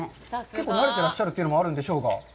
結構なれてらっしゃるというのはあるんでしょうが。